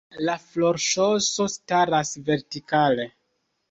La florŝoso staras vertikale.